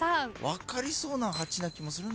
分かりそうなの８な気もする。